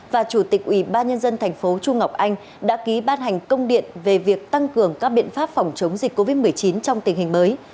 và chủ tịch ủy ban nhân dân thành phố chu ngọc anh đã ký ban hành công điện về việc tăng cường các biện pháp phòng chống dịch covid một mươi chín trong tình hình mới